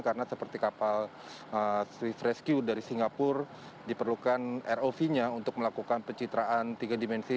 karena seperti kapal rescue dari singapura diperlukan rov nya untuk melakukan pencitraan tiga dimensi